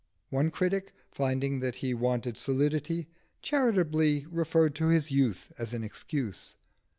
One critic, finding that he wanted solidity, charitably referred to his youth as an excuse.